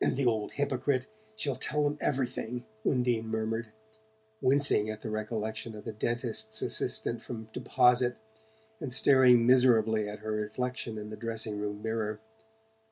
"The old hypocrite she'll tell them everything," Undine murmured, wincing at the recollection of the dentist's assistant from Deposit, and staring miserably at her reflection in the dressing table mirror.